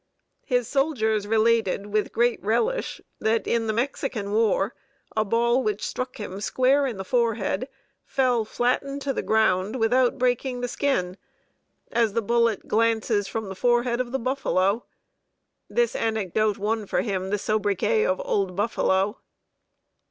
His soldiers related, with great relish, that in the Mexican War a ball which struck him square in the forehead fell flattened to the ground without breaking the skin, as the bullet glances from the forehead of the buffalo. This anecdote won for him the soubriquet of "Old Buffalo."